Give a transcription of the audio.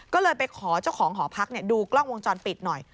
ก็เลยไปขอเจ้าของหอพักดูกล้องวงจรปิดหน่อย